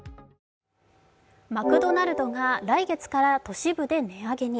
マクドナルドが来月から都市部で値上げに。